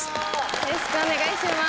よろしくお願いします。